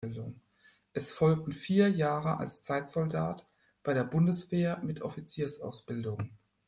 Es folgten vier Jahre als Zeitsoldat bei der Bundeswehr mit Offiziersausbildung.